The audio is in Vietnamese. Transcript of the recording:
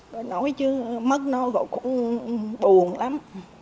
rồi nói chứ mất nó rồi cũng buồn lắm